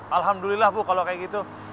alhamdulillah bu kalau kayak gitu